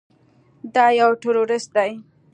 دا يو ټروريست دى.